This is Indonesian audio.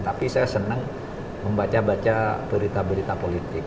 tapi saya senang membaca baca berita berita politik